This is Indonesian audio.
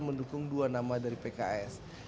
mendukung dua nama dari pks